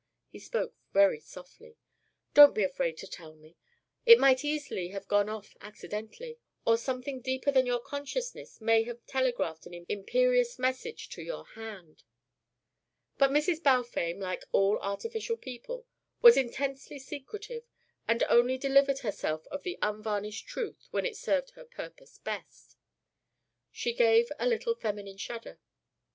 He spoke very softly. "Don't be afraid to tell me. It might easily have gone off accidentally or something deeper than your consciousness may have telegraphed an imperious message to your hand." But Mrs. Balfame, like all artificial people, was intensely secretive, and only delivered herself of the unvarnished truth when it served her purpose best. She gave a little feminine shudder.